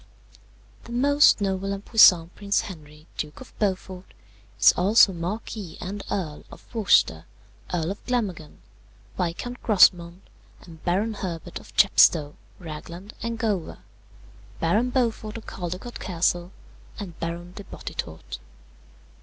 The most noble and puissant Prince Henry, Duke of Beaufort, is also Marquis and Earl of Worcester, Earl of Glamorgan, Viscount Grosmont, and Baron Herbert of Chepstow, Ragland, and Gower, Baron Beaufort of Caldecott Castle, and Baron de Bottetourt.